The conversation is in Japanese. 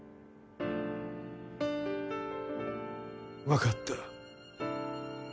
分かった。